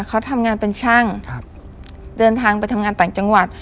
เขาทำงานเป็นช่างครับเดินทางไปทำงานต่างจังหวัด